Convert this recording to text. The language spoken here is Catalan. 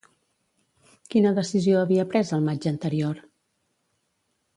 Quina decisió havia pres el maig anterior?